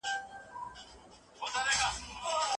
خلک له شاه شجاع نه ناراضه وو.